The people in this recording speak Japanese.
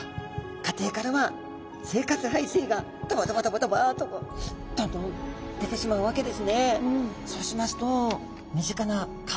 家庭からは生活排水がドバドバドバドバとどんどん出てしまうわけですね。